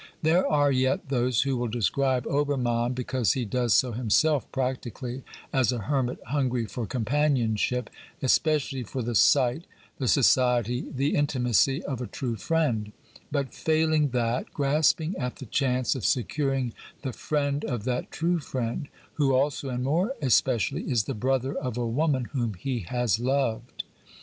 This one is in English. There are yet those who will describe Obermann, because he does so himself practically ^ as a hermit hungry for companionship, especially for the sight, the society, the intimacy of a true friend ; but, failing that, grasping at the chance of securing the friend of that true friend, who also and more especially, is the brother of a woman whom he has loved.